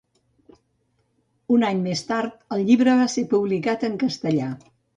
Un any més tard el llibre va ser publicat en castellà.